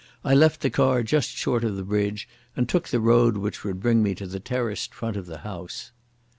I left the car just short of the bridge, and took the road which would bring me to the terraced front of the house.